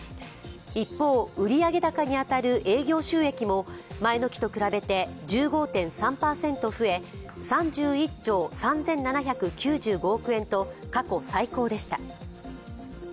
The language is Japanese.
一方、売上高に当たる営業収益も前の期と比べて１５．３％増え、３１兆３７９５億円と過去最高でした。